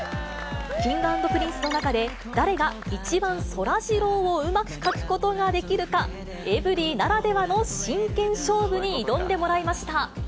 Ｋｉｎｇ＆Ｐｒｉｎｃｅの中で、誰が一番そらジローをうまく描くことができるか、エブリィならではの真剣勝負に挑んでもらいました。